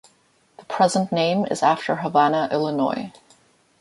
The present name is after Havana, Illinois.